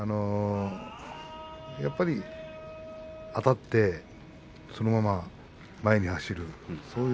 やっぱりあたってそのまま前に走るそういう